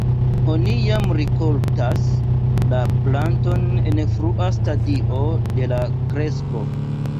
Oni jam rikoltas la planton en frua stadio de la kresko.